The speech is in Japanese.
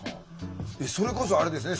それこそあれですよね